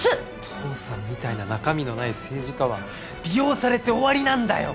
父さんみたいな中身のない政治家は利用されて終わりなんだよ！